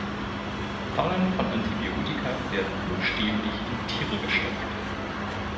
Tonnen von Antibiotika werden buchstäblich in Tiere gestopft.